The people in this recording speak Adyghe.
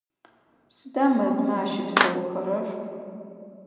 Сыда мэзмэ ащыпсэухэрэр?